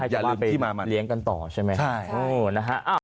อย่าลืมที่มามัน